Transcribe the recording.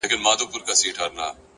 هره پریکړه نوی لوری جوړوي.